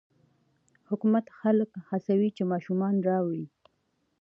حکومت خلک هڅوي چې ماشومان راوړي.